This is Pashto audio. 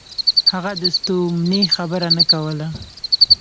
هغه د ستومنۍ خبره نه کوله.